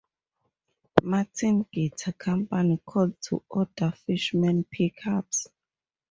Martin Guitar Company called to order Fishman pickups.